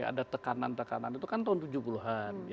ada tekanan tekanan itu kan tahun tujuh puluh an